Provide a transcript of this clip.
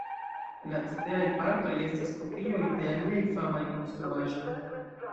La ceteraj partoj estas kopioj de aliaj famaj konstruaĵoj.